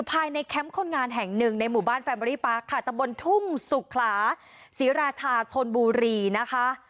แคมป์คนงานแห่งหนึ่งในหมู่บ้านแฟเบอรี่ปาร์คค่ะตะบนทุ่งสุขลาศรีราชาชนบุรีนะคะ